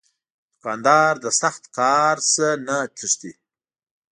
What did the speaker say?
دوکاندار له سخت کار نه نه تښتي.